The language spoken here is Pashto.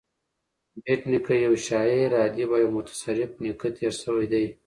بېټ نیکه یو شاعر ادیب او یو متصرف نېکه تېر سوى دﺉ.